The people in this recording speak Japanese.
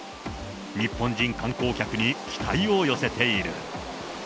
日本人観光客に期待を寄せている。